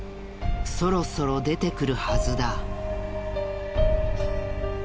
そろそろ出てくるはずだ。